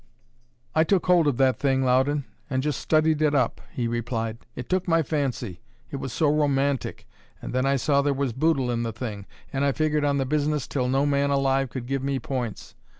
"I took hold of that thing, Loudon, and just studied it up," he replied. "It took my fancy; it was so romantic, and then I saw there was boodle in the thing; and I figured on the business till no man alive could give me points.